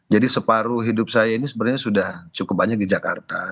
jadi separuh hidup saya ini sebenarnya sudah cukup banyak di jakarta